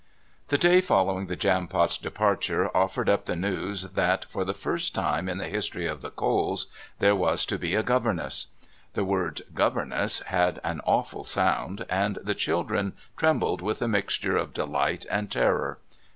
The day following the Jampot's departure offered up the news that, for the first time in the history of the Coles, there was to be a governess. The word "governess" had an awful sound, and the children trembled with a mixture of delight and terror.